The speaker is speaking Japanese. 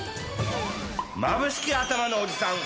まぶしきあたまのおじさん